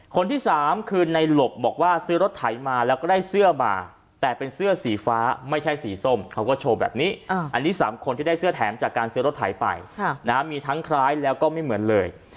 คนที่สามคือในหลบบอกว่าซื้อรถไถมาแล้วก็ได้เสื้อมาแต่เป็นเสื้อสีฟ้าไม่ใช่สีส้มเขาก็โชว์แบบนี้อันนี้๓คนที่ได้เสื้อแถมจากการซื้อรถไถไปมีทั้งคล้ายแล้วก็ไม่เหมือนเลย